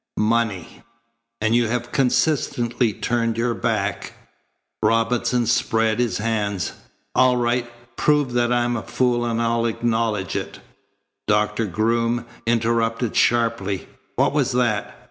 Money! And you have consistently turned your back." Robinson spread his hands. "All right. Prove that I'm a fool and I'll acknowledge it." Doctor Groom interrupted sharply. "What was that?"